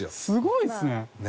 すごいっすね。